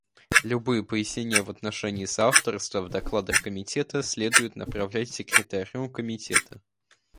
Любые пояснения в отношении соавторства в докладах Комитета следует направлять Секретарю Комитета.